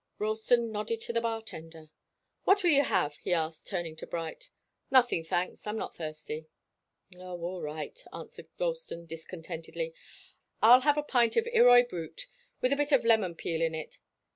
Ralston nodded to the bar tender. "What will you have?" he asked, turning to Bright. "Nothing, thanks. I'm not thirsty." "Oh all right," answered Ralston discontentedly. "I'll have a pint of Irroy Brut with a bit of lemon peel in it.